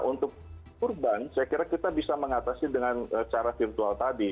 untuk urban saya kira kita bisa mengatasi dengan cara virtual tadi